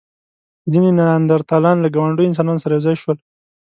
ځینې نیاندرتالان له ګاونډيو انسانانو سره یو ځای شول.